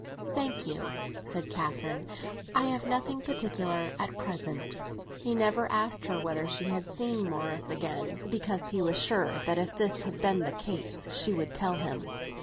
"Thank you," said Catherine; "I have nothing particular at present." He never asked her whether she had seen Morris again, because he was sure that if this had been the case she would tell him.